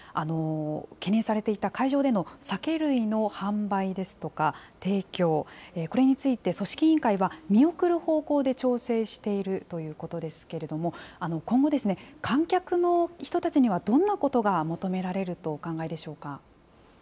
懸念されていた会場での酒類の販売ですとか、提供、これについて組織委員会は、見送る方向で調整しているということですけれども、今後、観客の人たちにはどんなことが求められるとお考えでしょう